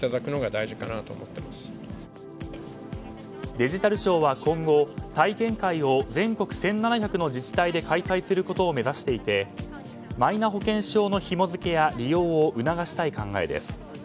デジタル庁は今後、体験会を全国１７００の自治体で開催することを目指していてマイナ保険証のひも付けや利用を促したい考えです。